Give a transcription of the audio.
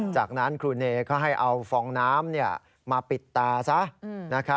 จากนั้นครูเนก็ให้เอาฟองน้ำมาปิดตาซะ